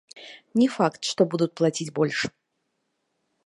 Не факт, што будуць плаціць больш.